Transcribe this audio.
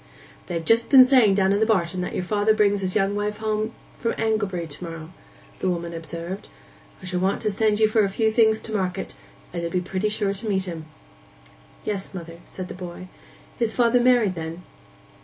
'They've just been saying down in barton that your father brings his young wife home from Anglebury to morrow,' the woman observed. 'I shall want to send you for a few things to market, and you'll be pretty sure to meet 'em.' 'Yes, mother,' said the boy. 'Is father married then?